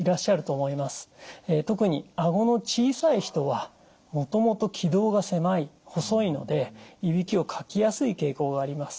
特にあごの小さい人はもともと気道が狭い細いのでいびきをかきやすい傾向があります。